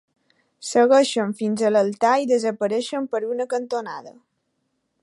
Segueixen fins a l"altar i desapareixen per una cantonada.